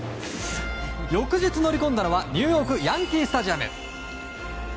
翌日、乗り込んだのはニューヨークヤンキー・スタジアム。